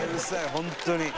本当に」